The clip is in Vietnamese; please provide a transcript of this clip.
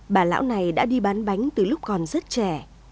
bà lão này đã đi bán bánh từ lúc còn rất trẻ